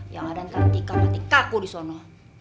yang ada nanti kan mati kaku disana